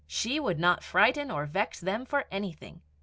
] She would not frighten or vex them for anything.